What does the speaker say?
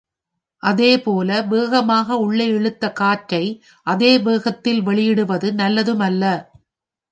அதேபோல வேகமாக உள்ளே இழுத்த காற்றை அதே வேகத்தில் வெளிவிடுவது நல்லதுமல்ல.